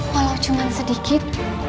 walau cuma sedikit